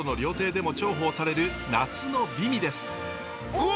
うわ！